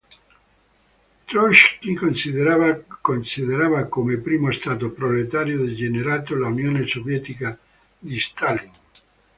Trockij considerava come primo Stato proletario degenerato l'Unione Sovietica di Stalin.